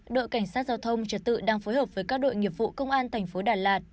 đội cảnh sát giao thông trật tự đang phối hợp với các đội nghiệp vụ công an thành phố đà lạt